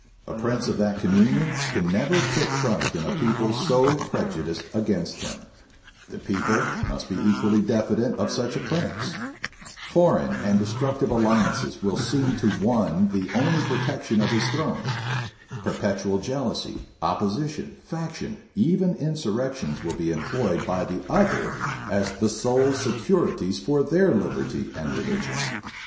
A prince of that communion can never put trust in a people so prejudiced against him: the people must be equally diffident of such a prince: foreign and destructive alliances will seem to one the only protection of his throne: perpetual jealousy, opposition, faction, even insurrections will be employed by the other as the sole securities for their liberty and religion.